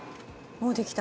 「もうできた！」